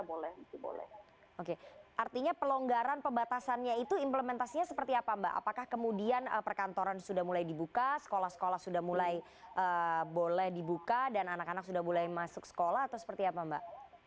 boleh oke artinya pelonggaran pembatasannya itu implementasinya seperti apa mbak apakah kemudian perkantoran sudah mulai dibuka sekolah sekolah sudah mulai boleh dibuka dan anak anak sudah mulai masuk sekolah atau seperti apa mbak